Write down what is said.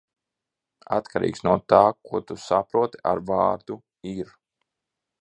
Atkarīgs no tā, ko tu saproti ar vārdu "ir".